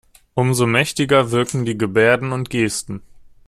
Umso mächtiger wirken die Gebärden und Gesten.